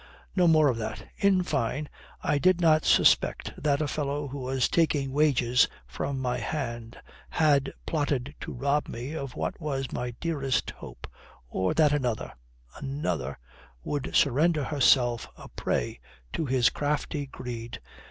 "No more of that. In fine, I did not suspect that a fellow who was taking wages from my hand had plotted to rob me of what was my dearest hope, or that another another would surrender herself a prey to his crafty greed."